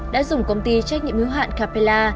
đã dùng công ty trách nhiệm hữu hạn capella